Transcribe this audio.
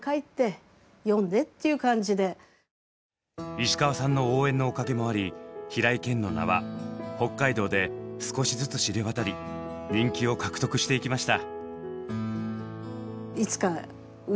石川さんの応援のおかげもあり「平井堅」の名は北海道で少しずつ知れ渡り人気を獲得していきました。